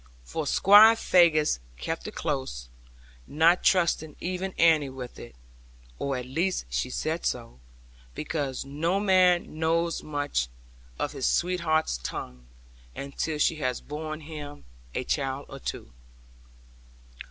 For Squire Faggus kept it close; not trusting even Annie with it (or at least she said so); because no man knows much of his sweetheart's tongue, until she has borne him a child or two.